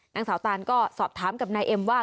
นางสาวตานก็สอบถามกับนายเอ็มว่า